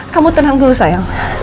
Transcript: kamu tenang dulu sayang